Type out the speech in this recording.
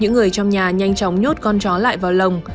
những người trong nhà nhanh chóng nhốt con chó lại vào lồng